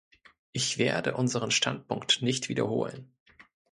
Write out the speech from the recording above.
Ich werde unseren Standpunkt nicht wiederholen.